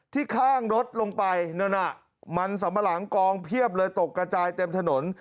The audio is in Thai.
ข้างรถลงไปนั่นน่ะมันสัมปะหลังกองเพียบเลยตกกระจายเต็มถนน